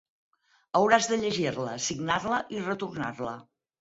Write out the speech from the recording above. Hauràs de llegir-la, signar-la i retornar-la.